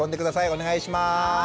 お願いします！